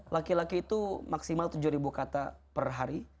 laki laki itu maksimal tujuh kata per hari